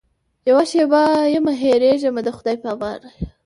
یوه شېبه یمه هېرېږمه د خدای په امان.